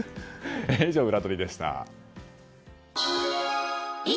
以上、ウラどりでした。